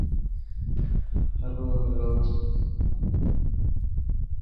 আমরা কীভাবে এসব প্রতিষ্ঠানের সেবা কাজে লাগাব, সেটিও আমাদের ভাবতে হবে।